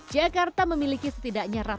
jakarta memiliki setidaknya ratusan taman